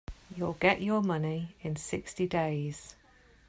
You'll get your money in sixty days.